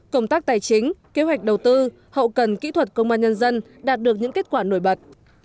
công tác tài chính kế hoạch đầu tư hậu cần kỹ thuật công an nhân dân đạt được những kết quả nổi bật